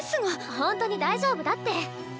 ほんとに大丈夫だって。